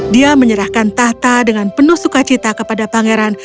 dia menyerahkan tahta dengan penuh sukacita kepada pangeran